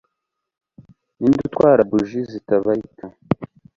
Ninde utwara buji zitabarika